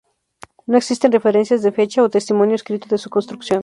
No existen referencias de fecha o testimonio escrito de su construcción.